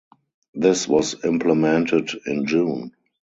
This was implemented in June.